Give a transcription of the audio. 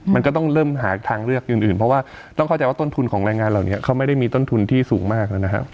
มันก็ต้องเริ่มหาทางเลือกอื่นเพราะว่าต้องเข้าใจว่าต้นทุนของแรงงานเหล่านี้เขาไม่ได้มีต้นทุนที่สูงมากแล้วนะครับ